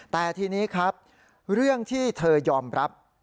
แต่ทีนี้ครับเรื่องที่เธอยอมรับ